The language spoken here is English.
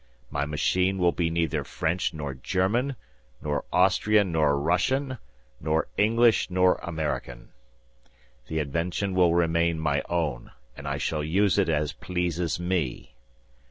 My machine will be neither French nor German, nor Austrian nor Russian, nor English nor American. The invention will remain my own, and I shall use it as pleases me.